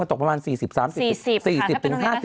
มันตกประมาณ๔๐๓๐ค่ะ